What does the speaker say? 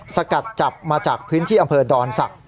สกัดจับมาจากพื้นที่อำเภอดอนศักดิ